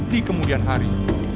di kemudian hari